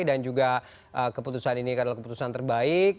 dan juga keputusan ini adalah keputusan terbaik